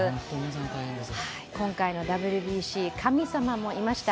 今回のＷＢＣ、神様もいました。